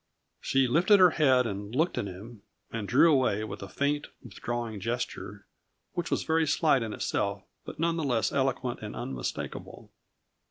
She lifted her head and looked at him, and drew away with a faint, withdrawing gesture, which was very slight in itself but none the less eloquent and unmistakable.